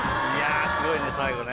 すごいね最後ね。